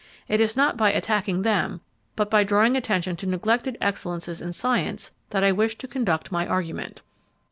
It is not by attacking them, but by drawing attention to neglected excellences in science, that I wish to conduct my argument.